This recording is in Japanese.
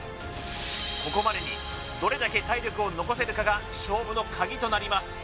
ここまでにどれだけ体力を残せるかが勝負のカギとなります